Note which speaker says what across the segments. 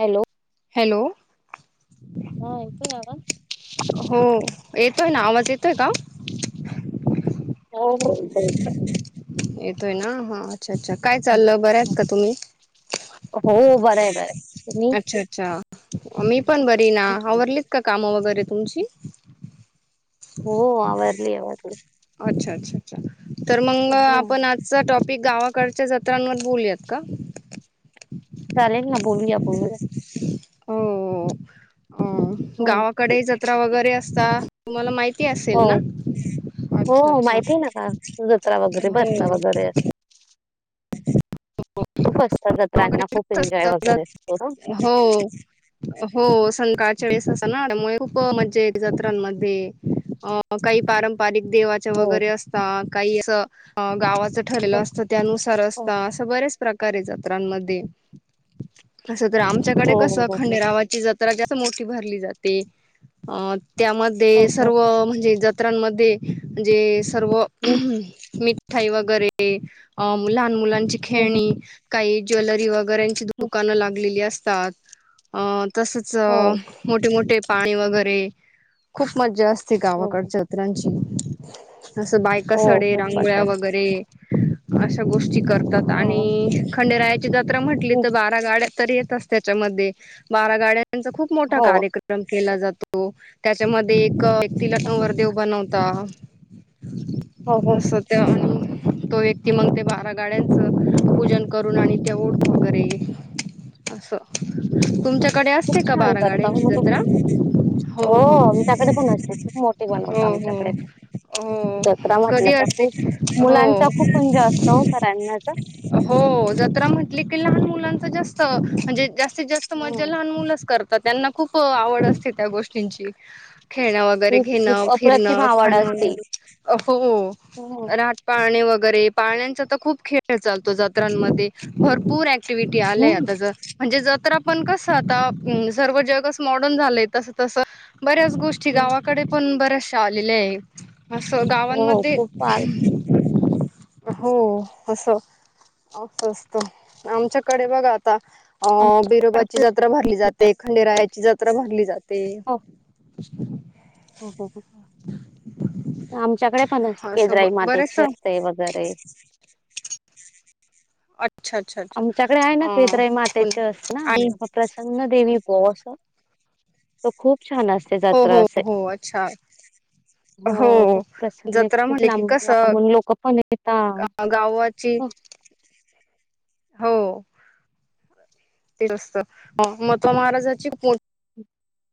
Speaker 1: Hello
Speaker 2: hello
Speaker 1: हा येतोय आवाज?
Speaker 2: हो येतोय ना आवाज येतोय का य ना हा अच्छा अच्छा काय चाललं बरे आहेत का का तुम्ही
Speaker 1: हो बरंय बरंय तुम्ही?
Speaker 2: अच्छा अच्छा मी पण बरी ना आवरलीत का काम वगैरे तुमची
Speaker 1: हो आरली आरली
Speaker 2: अच्छा अच्छा अच्छा तर मग आपण आजचा टॉपिक गावा कडेच्या जत्रांवर बोलूयात का
Speaker 1: चालेल ना बोलू या बोलू
Speaker 2: हो
Speaker 1: हो
Speaker 2: गावाकडे जत्रा वगैरे असता तुम्हाला माहिती
Speaker 1: हो
Speaker 2: असेल ना
Speaker 1: हो
Speaker 2: अच्छा अच्छा
Speaker 1: माहिती आहे ना का जत्रा वगैरे
Speaker 2: हो
Speaker 1: भरता वगैरे असे खूप असतं
Speaker 2: हो हो सन काळीस अस ना खूप मज्जा एक जत्रांमध्ये अ काही पारंपारिक देवाच्या
Speaker 1: हो
Speaker 2: वगैरे असत काही असे गावा
Speaker 1: हो
Speaker 2: असत त्यानुसार अस
Speaker 1: हो
Speaker 2: अस बऱ्याच प्रकारे जात्रांमध्ये तर आमच्याकडे कसं
Speaker 1: हो हो हो
Speaker 2: खंडेरावाची जत्रा जास्त मोठी भरली जाते अ
Speaker 1: हो
Speaker 2: त्यामध्ये
Speaker 1: हो
Speaker 2: सर्व म्हणजे जत्रांमध्ये म्हणजे सर्व
Speaker 1: हम्म
Speaker 2: मी मिठाई वगैरे अ लहान मुलांची
Speaker 1: हम्म
Speaker 2: खेळणी काही ज्वेलरी वगैरे
Speaker 1: हम्म
Speaker 2: दुकानं लागलेली असतात तसेच
Speaker 1: हो
Speaker 2: मोठे मोठे पाणी वगैरे खूप मज्जा असते
Speaker 1: हो हो
Speaker 2: गावाकडच्यात्रांची जसं बायका
Speaker 1: हो
Speaker 2: सडे
Speaker 1: खूप मजा
Speaker 2: रांगोळ्या
Speaker 1: असते
Speaker 2: वगैरे अशा गोष्टी करतात
Speaker 1: हो
Speaker 2: आणि खंडेरायाची जात्रा म्हटली
Speaker 1: हो
Speaker 2: तर बारा गाड्या तर येत त्यांच्यामध्ये बारा गाड्या त्यां खूप मोठा
Speaker 1: हो
Speaker 2: कार्यक्रम केला जातो त्यांच्यामध्ये एक तिला नवरदेव बनवत
Speaker 1: हो हो
Speaker 2: अस त्या तो व्यक्ती मग ते बारा गाड्यांच पूजन करून करून आणि त्या ओढ वगैरे असं तुमच्याकडे
Speaker 1: खूप
Speaker 2: असते का
Speaker 1: छान
Speaker 2: बारा
Speaker 1: करता
Speaker 2: गाड्यांची
Speaker 1: मग
Speaker 2: जत्रा हो
Speaker 1: आमच्याकडे पण असते खूप मोठी
Speaker 2: हो
Speaker 1: बनवत
Speaker 2: हो
Speaker 1: आमच्याकडे
Speaker 2: हो हो
Speaker 1: जत्रा म्हटलं
Speaker 2: कधी
Speaker 1: तर
Speaker 2: असते
Speaker 1: खूप
Speaker 2: हो
Speaker 1: मुलांचा खूप म्हणजे असतो हो कराडण्याचा
Speaker 2: अ हो जत्रा म्हट की लहान मुलां जास्त म्हणजे जास्तीत जास्त मजा
Speaker 1: हम्म
Speaker 2: लहान मुलेच करतात तर त्यांना खूप आवड असते त्या गोष्टींची खेळणं वगैरे
Speaker 1: खूप
Speaker 2: घेणं
Speaker 1: खूप अप्रतिम
Speaker 2: फिरणं
Speaker 1: आवड
Speaker 2: खाणं
Speaker 1: असते
Speaker 2: हो
Speaker 1: हम्म
Speaker 2: रात पाळणे वगैरे वगैरे पाळण्यांचा तर खूप खेळ चालतो जात्रांमध्ये भरपूर ऍक्टिव्हटी आलाय
Speaker 1: हम्म
Speaker 2: आता ज म्हणजे जत्रा पण कस आता सर्व जगच मॉडर्न झालंय तस तस बऱ्याच गोष्टी
Speaker 1: हम्म.
Speaker 2: गावाकडे पण बऱ्याचशा आलेल्या आहेत असं
Speaker 1: हो
Speaker 2: गावांमध्ये
Speaker 1: खूप फार.
Speaker 2: हो असं असस्त आमच्याकडे बघा आता अं
Speaker 1: आमच्याकडे
Speaker 2: बिरोबाची जत्रा भरली जाते
Speaker 1: पण असते.
Speaker 2: खंडेरायाची जत्रा भरली जाते अ
Speaker 1: ह हो हो आमच्याकडे पण
Speaker 2: असं
Speaker 1: केदराई
Speaker 2: बरेच
Speaker 1: मातेची असते वगैरे
Speaker 2: अच्छा अच्छा अच्छा
Speaker 1: आमच्याकडे आहे ना
Speaker 2: अ
Speaker 1: कदराई मातेचे अस
Speaker 2: पुन्हा आणि
Speaker 1: ना प्रसन्न देवी पो अस तो खूप छान असते
Speaker 2: हो
Speaker 1: जात्रा
Speaker 2: हो
Speaker 1: असे
Speaker 2: हो अच्छा
Speaker 1: हो खूप प्रसन्न आहे खूप लांब लाब लोक पण येता
Speaker 2: अ गावाची
Speaker 1: हो
Speaker 2: हो ते असत मत्वा महाराजाची खप मो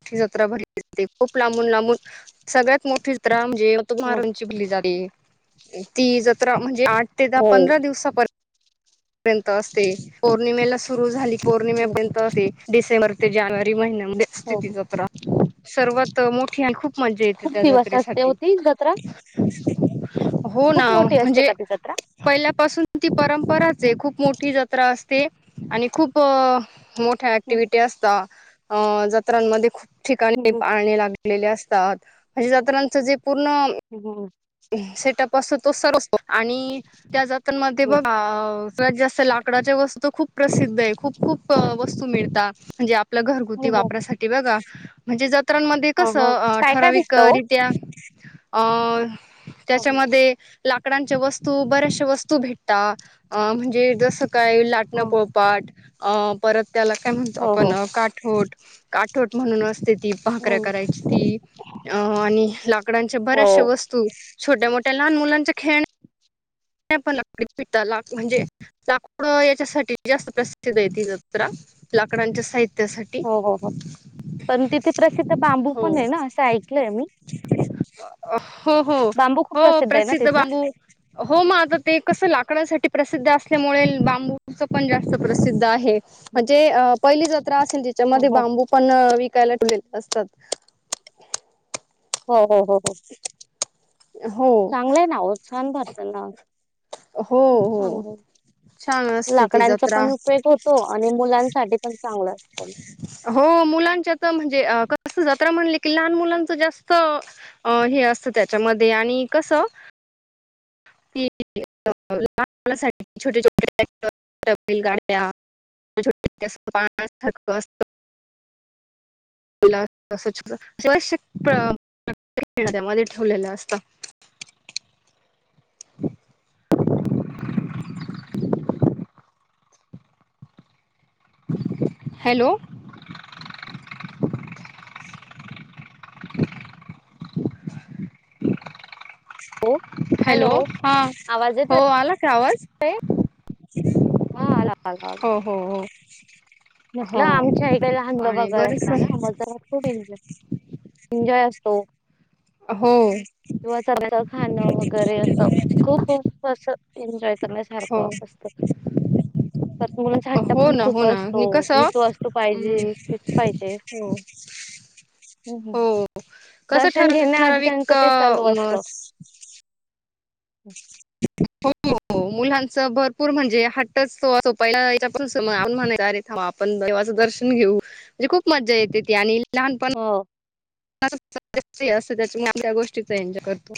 Speaker 2: मोठी जत्रा भरली जाते खूप लांबून लांबून सगळ्यात मोठी जत्रा ज
Speaker 1: हो हो.
Speaker 2: म्हण दिव पर्यंत असते पौर्णिमेला सुरु झाली पौर्णिमे
Speaker 1: हो
Speaker 2: पर्यंत असते डिसेंबर ते जानेवारी महिन्यामध्ये असते
Speaker 1: हो
Speaker 2: ती
Speaker 1: हो
Speaker 2: जत्रा सर्वात मोठी आणि खूप मजा येते
Speaker 1: खूप
Speaker 2: त्या
Speaker 1: दिवस असते हो
Speaker 2: जत्रेसाठी
Speaker 1: ती जत्रा
Speaker 2: हो ना
Speaker 1: खूप मोठी असते
Speaker 2: म्हणजे
Speaker 1: का ती जत्रा?
Speaker 2: पहिल्यापासून ती परंपरा ज
Speaker 1: हं,
Speaker 2: खूप मोठी जत्रा असते आणि खूप मोठ्या
Speaker 1: हं,
Speaker 2: ऍक्टिव्हटी असत अ जात्रांमध्ये खूप
Speaker 1: हं,
Speaker 2: ठिकाणी
Speaker 1: हं,
Speaker 2: पाणी लागलेले असतात म्हणजे जात्रांच जे
Speaker 1: होम्
Speaker 2: सेटप असत तो सरवतो आणि त्या जातां म
Speaker 1: हं.
Speaker 2: बघ जास् लाकडाच्या वस्तू तर खूप प्रसिद्ध आहे खूप खूप वस्तू मिळतात म्हणजे आप
Speaker 1: हो
Speaker 2: घरगुती
Speaker 1: हो
Speaker 2: वापरासाठी बघा म्हणजे ज मत्रांमध्ये
Speaker 1: ह ह
Speaker 2: कसं
Speaker 1: काय काय भेटत हो?
Speaker 2: ठराविकरित्या अ
Speaker 1: हो
Speaker 2: त्याच्यामध्ये लाकडांच्या वस्तू बऱ्याचशा वस्तू भेटतात अ म्हणजे जसं काय लाटणं
Speaker 1: हो
Speaker 2: पोळपाट अ परत त्याला काय म्हणतो
Speaker 1: हो
Speaker 2: आपण काठोट काठवट म्हणून असते ती भाांकऱ्या
Speaker 1: हं.
Speaker 2: करायची ती अ आणि लाकडांचे
Speaker 1: हो
Speaker 2: बऱ्याचश वस्तू छोट्या मोठ्या लहान मुलांचे खेण ण लाक पि ला म्हणजे लाकडं याच्यासाठी जास्त प्रसिद्ध य लाकडांच्या साहित
Speaker 1: हो हो हो पण तिथे प्रसिद्ध बांबू
Speaker 2: हो
Speaker 1: पण आहे ना असं ऐकलंय मी
Speaker 2: हो हो
Speaker 1: बांबू खूप
Speaker 2: हो
Speaker 1: आहे ना
Speaker 2: प्रसिद्ध
Speaker 1: तिथला?
Speaker 2: बांबू हो मग आता ते कसं लाग कड सा प्रसिद्ध असल्यामुळे बांबूच पण जास्त प्रसिद्ध आहे म्ह जे पहिली असेल
Speaker 1: हो
Speaker 2: त्याच्यामध्ये
Speaker 1: हो
Speaker 2: बांबू पण विकायला ठेलेले असतात
Speaker 1: हो हो हो हो
Speaker 2: हो
Speaker 1: चांगलंय ना उत्साान भरता ना
Speaker 2: हो
Speaker 1: खूप
Speaker 2: हो
Speaker 1: चांग
Speaker 2: छान असते ती
Speaker 1: लाकडांचा
Speaker 2: जत्रा
Speaker 1: पण उपयोग होतो आणि मुलांचा सा पण चांगलं असतं
Speaker 2: हो मुलांच्या म्हणजे क जा म्हण क लहान मुलांच जास्त हे असत त्याच्यामध्ये आणि कस त लहानणासाठी छोट्या छोटे गाड्या पाथक असत श्य त्यामध्ये ठेवलेलं असत [inaudible] [inaudible] हॅलो
Speaker 1: हो
Speaker 2: हॅलो हा
Speaker 1: आवाज
Speaker 2: हो
Speaker 1: येतोय?
Speaker 2: आला का आवाज
Speaker 1: हा आला आला आला.
Speaker 2: हो हो हो
Speaker 1: म्हटलं
Speaker 2: हो
Speaker 1: आमच्या इकडेला हंग
Speaker 2: आणि
Speaker 1: वगर
Speaker 2: बरेच
Speaker 1: असतातना मजा खूप इंज एन्जॉय असतो
Speaker 2: हो
Speaker 1: किंवा चण्याच खाणं वगैरे अस खूप खूप अस एन्जॉय करण्यासारखंस्त
Speaker 2: ठीक हो ना हो ना म
Speaker 1: हीच वस्तू
Speaker 2: कसम्
Speaker 1: पाहिजे तीच पाहिजे.
Speaker 2: हो
Speaker 1: हम्म.
Speaker 2: हो कस
Speaker 1: दर्शन
Speaker 2: ठराविक
Speaker 1: घेण्याआधी
Speaker 2: ठरावीक
Speaker 1: त्यांचं ते
Speaker 2: काम ह मस्
Speaker 1: हम्
Speaker 2: हम मुलांच भरपूर म्हणजे हटच तो सोपाला म्ह अरे आपण देवाचं दर्शन घेऊ म्हणजे खूप मजा येते ती आणि लहानपण
Speaker 1: हो
Speaker 2: अस त्या त्या गोष्टीचा एनजॉय करतो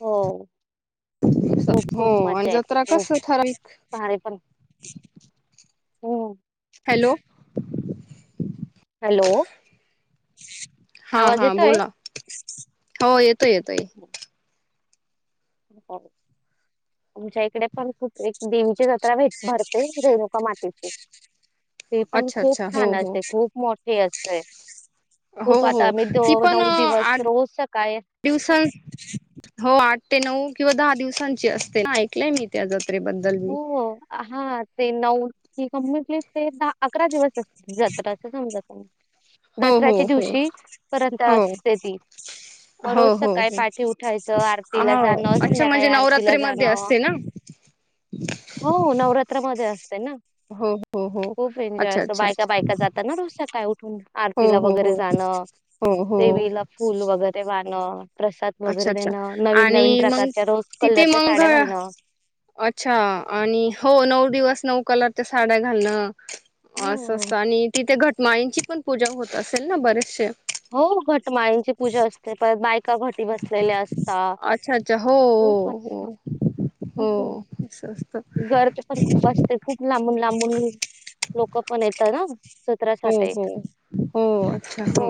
Speaker 1: हो खूप
Speaker 2: धतग हो
Speaker 1: खूप
Speaker 2: आणि
Speaker 1: मज्जा येते
Speaker 2: जत्रा कस
Speaker 1: खूप
Speaker 2: ठरल
Speaker 1: हम्
Speaker 2: हॅलो
Speaker 1: हॅलो
Speaker 2: हा
Speaker 1: आवाज
Speaker 2: हा
Speaker 1: येतोय?
Speaker 2: बोला हो येतोय येतोय
Speaker 1: ह ब आमच्या इकडे पण खूप एक देवीची जत्रा भेट भरते रेणुका मातेची ते पण
Speaker 2: अच्छा
Speaker 1: खूप
Speaker 2: अच्छा हो
Speaker 1: छान
Speaker 2: हो
Speaker 1: असते खूप मोठे असते
Speaker 2: हो
Speaker 1: खूप आता
Speaker 2: हो
Speaker 1: आम्ही द नऊ दिवस रोजच्या काय
Speaker 2: दिवसा हो आठ ते नऊ किंवा दहा दिवसांची असते? ऐकलंय मी त्या जत
Speaker 1: हो हा ते नऊ कंटली ते द अकरा दिवस असत जत्रा अस समजत
Speaker 2: हो हो
Speaker 1: दसऱ्याच्या
Speaker 2: हो
Speaker 1: दिवशी पर्यंत
Speaker 2: हो हो
Speaker 1: असते ती. मग रोज
Speaker 2: हो हो
Speaker 1: सकाळी पाठी उठायचं आरतीला
Speaker 2: हो
Speaker 1: जाणं
Speaker 2: अच्छा
Speaker 1: संध्याकाळी
Speaker 2: म्हणजे
Speaker 1: आरतीला
Speaker 2: नवरात्रीमध्ये
Speaker 1: जाणं
Speaker 2: असते [inaudible]
Speaker 1: हो नवरात्रामध्ये असत
Speaker 2: हो हो हो
Speaker 1: खूप एन्जॉय
Speaker 2: अच्छा
Speaker 1: अस
Speaker 2: अच्छा
Speaker 1: बायका
Speaker 2: अच्छा
Speaker 1: बायका जातात ना, रोज काय
Speaker 2: हो
Speaker 1: आरतीला
Speaker 2: हो
Speaker 1: वगैरे
Speaker 2: हो
Speaker 1: जाणं
Speaker 2: हो हो
Speaker 1: देवीला फुल वगैरे वाढ
Speaker 2: अच्छा अच्छा
Speaker 1: नवीन
Speaker 2: आणि मंग
Speaker 1: प्रकारच्या रोज
Speaker 2: तिथे
Speaker 1: कलरच्या
Speaker 2: मंग घ.
Speaker 1: साड्या घालणं.
Speaker 2: अच्छा आणि हो नऊ दिवस नऊ कलरच्या साड्या घालणं असं
Speaker 1: हो.
Speaker 2: असतं आणि तिथे घटमाईंची पण पूजा होत असेल ना बरेचसे.
Speaker 1: हो घटमाळींची पूजा असते परत बायका घट बसलेले असता
Speaker 2: अच्छा अच्छा हो हो हो हो असं असतं.
Speaker 1: गर ते पण खूप असते खूप लांबून लांबून लोक पण येतात ना.
Speaker 2: हो
Speaker 1: सत्रासाठी
Speaker 2: हो हो अच्छा हो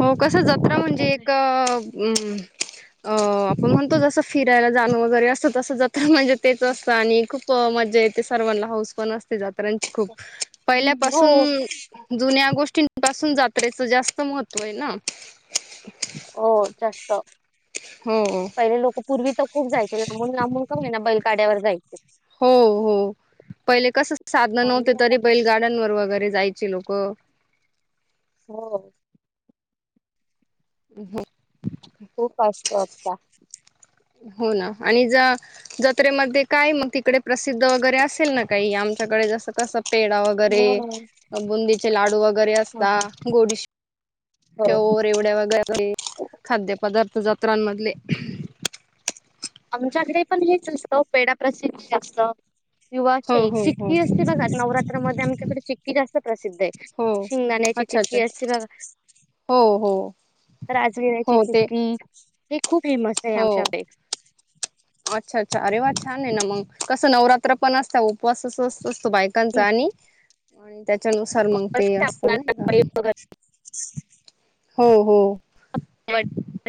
Speaker 2: हो कस जत्रा
Speaker 1: असं
Speaker 2: म्हणजे?
Speaker 1: आहे.
Speaker 2: एक हमम अ आपण म्हणतो जसं फिरायला जाणं वगैरे असतं तस जात म्हणजे तेच असतं आणि खूप मज े सर्वांना हौस पण असते जात्रांची खूप
Speaker 1: हम्म,
Speaker 2: पहिल्यापासून.
Speaker 1: हो.
Speaker 2: या गोष्टीं पाासून जात्रेच जास्त महत्त्व आहे ना!
Speaker 1: हो जास्त,
Speaker 2: हो
Speaker 1: पहिले लोकं पूर्वी तर खूप जायचे लाबून लांबून का हो आहे ना बैलगाड्यावर जायचे
Speaker 2: हो हो पहिले कस
Speaker 1: आणि
Speaker 2: साधनवते
Speaker 1: आता
Speaker 2: तरी पहि गार्डन वर वगैरे जायच च लोक!
Speaker 1: हो
Speaker 2: रहेत
Speaker 1: खूप असतो आजचा
Speaker 2: हो ना आणि ज जत्रेमध्ये काय मग तिकडे प्रसिद्ध वगैरे असेल ना? काही आमच्याकडे जसं कस पेडा वगैरे
Speaker 1: हां,
Speaker 2: बुंदीचे लाडू वगैरे
Speaker 1: हां.
Speaker 2: असतात गोड निश्
Speaker 1: हो.
Speaker 2: शेव एवढ्या वगैरे खाद्यपदार्थ जत्रांमध्ये
Speaker 1: आमच्याकडे पण हेच असतं पेढा प्रसिद्ध असस्त किंवा
Speaker 2: हो
Speaker 1: शेग
Speaker 2: हो हो
Speaker 1: चिक्की असते ना नवरात्रामध्ये आमच्याकडे चिक्की जास्त प्रसिद्धहेए
Speaker 2: हो
Speaker 1: शिंगद्या खाण्याची
Speaker 2: अच्छा अच्छा
Speaker 1: चिक्की असते ना
Speaker 2: हो हो
Speaker 1: तर राजगिर्याची
Speaker 2: हो ते
Speaker 1: चिक्की ही खूप फेमस आहे
Speaker 2: हो
Speaker 1: आमच्यापेक
Speaker 2: अच्छा अच्छा अरे वा छान आय ना मग कसं नवरात्र पण असत्या उपवास अस असतो बायकांचा आणि आणि त्याच्यानुसार मग ते असते नी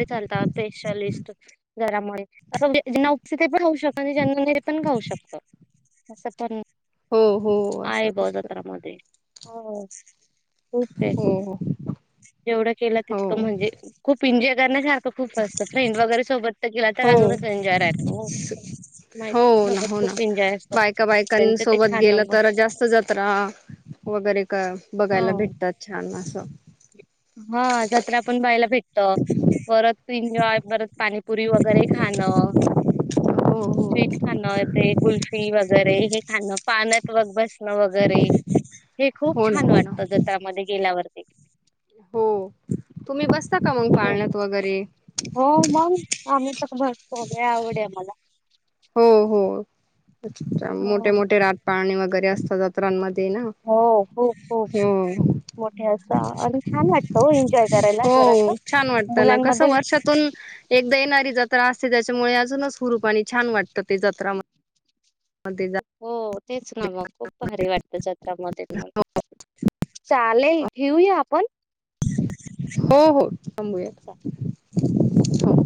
Speaker 1: चालतात स्पेशलिस्ट घरामुळे असं जना उपथित पण घाऊ शकत आणि जनरल मध्ये पण घाऊ शकत असं पण
Speaker 2: हो हो असं
Speaker 1: आहे ब
Speaker 2: दिसत.
Speaker 1: जत्रा मध्ये हो हो खूप बे
Speaker 2: हो
Speaker 1: जेवढं केलं
Speaker 2: हो
Speaker 1: तितकं म्हणजे खूप एन्जॉय करण्यासारखं खूप काय असत फ्रेंड वगैरे सोबत तर गेला तर
Speaker 2: हो
Speaker 1: अजूनच एन्जॉय राहतो
Speaker 2: हो ना
Speaker 1: मैत्रिणीसोबत
Speaker 2: हो ना
Speaker 1: खूप एन्जॉय असतो
Speaker 2: बायका
Speaker 1: त्यांचं ते
Speaker 2: बायकांसोबत
Speaker 1: खाणं
Speaker 2: गेलं
Speaker 1: बघ
Speaker 2: तर जास्त च जत्रा वगैरे का
Speaker 1: हा
Speaker 2: बघायला भेटतात छान असं
Speaker 1: हा जत्रा पण पहायला भे ट परत एन्जॉय, परत पाणीपुरी, वगैरे खाणं.
Speaker 2: हो हो
Speaker 1: स्वीट खाणं ते कुल्फी वगैरे हे खाणं पाण्यात बघ बस वगैरे हे खूप
Speaker 2: हो ना
Speaker 1: छान
Speaker 2: हो ना
Speaker 1: वाटतं जतामध्ये गेल्यावर
Speaker 2: हो तुम्ही बसता का मग
Speaker 1: हो
Speaker 2: पाळणत वगैरे
Speaker 1: हो मंग आम्ही तर बसतो, लय आवडय हाय आमाला.
Speaker 2: हो हो अच्छा अच्छा मोठे
Speaker 1: हो
Speaker 2: मोठे रात पाळणी वगैरे असतात जत्रांम ते ना.
Speaker 1: हो खूप खूप.
Speaker 2: हुं.
Speaker 1: मोठे असा आणि छान वाटतं हो एन्जॉय करायला
Speaker 2: हो
Speaker 1: जरासं
Speaker 2: छान वाटत ना कसं
Speaker 1: मुलांमध्ये
Speaker 2: वर्षातून एकदा येणारी जत्रा असते त्याच्यामुळे अजूनच हुरूप आणि छान वाटतं ते जत्रा म
Speaker 1: हो तेच ना मग खूप भारी वाटतं जत्रा मध्ये मग चालेल ठेवूया आपण
Speaker 2: हो हो थांबूया.
Speaker 1: चा
Speaker 2: हो